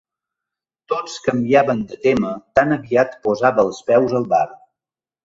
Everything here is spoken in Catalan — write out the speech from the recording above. Tots canviaven de tema tan aviat posava els peus al bar.